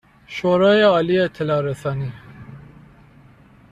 شورای عالی اطلاع رسانی